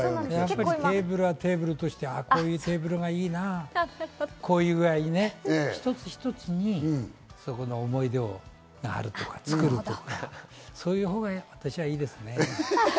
テーブルはテーブルとして、こういうテーブルがいいな、こういう具合にね、一つ一つにそこの思い出があるとか、思い出を作るとか、そういうほうが私はいいですね。